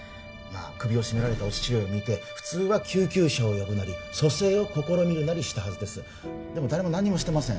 首を絞められたお父上を見て普通は救急車を呼ぶなり蘇生を試みるなりしたはずですでも誰も何もしてません